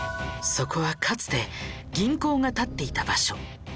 そこはかつて銀行が建っていた場所。